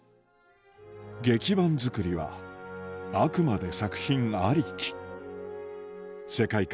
劇伴作りはあくまで作品ありき世界観